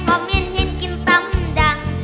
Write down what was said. โหเบ้นเห้นกินต้ำดัง